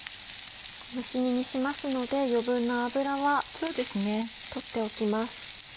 蒸し煮にしますので余分な脂は取っておきます。